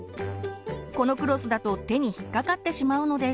このクロスだと手に引っかかってしまうのです。